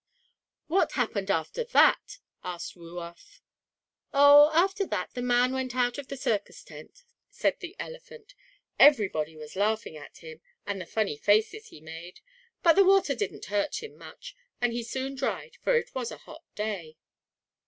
"What happened after that?" asked Umboo. "Oh, after that the man went out of the circus tent," said the elephant. "Everybody was laughing at him and the funny faces he made. But the water didn't hurt him much, and he soon dried for it was a hot day."